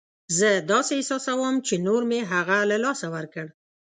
زه داسې احساسوم چې نور مې هغه له لاسه ورکړ.